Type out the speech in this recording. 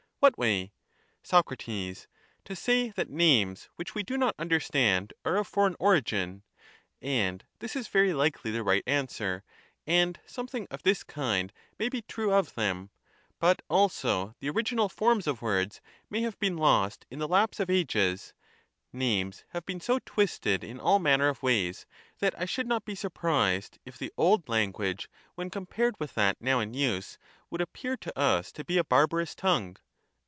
What way? Soc. To say that names which we do not understand are of foreign origin ; and this is very likely the right answer, and something of this kind may be true of them ; but also the original forms of words may have been lost in the lapse of ages ; names have been so twisted in all manner of ways, that I should not be surprised if the old language when compared with that now in use would appear to us to be a barbarous tongue.